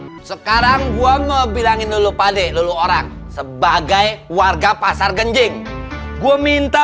hai sekarang gua mau bilangin dulu pade lulu orang sebagai warga pasar genjing gua minta